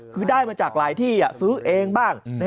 คือได้มาจากหลายที่ซื้อเองบ้าง